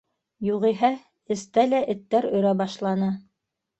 Юғиһә эстә лә эттәр өрә башланы.